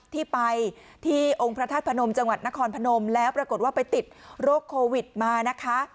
ที่ไปที่องค์พระธาตุพนมจังหวัดนครพนมแล้วปรากฏว่าไปติดโรคโควิดมานะคะ